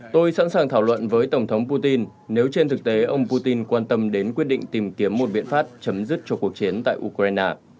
tôi sẵn sàng thảo luận với tổng thống putin nếu trên thực tế ông putin quan tâm đến quyết định tìm kiếm một biện pháp chấm dứt cho cuộc chiến tại ukraine